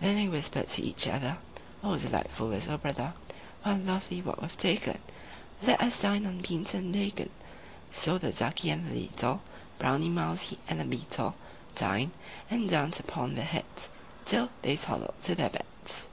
V Then they whispered to each other, "O delightful little brother, What a lovely walk we've taken! Let us dine on beans and bacon." So the Ducky and the leetle Browny Mousy and the Beetle Dined, and danced upon their heads Till they toddled to their beds.